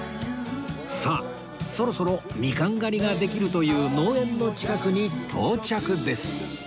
さあそろそろミカン狩りができるという農園の近くに到着です